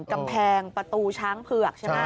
กำแพงประตูช้างเผือกใช่ไหม